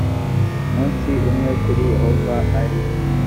umunsi umwe kuri yehova ari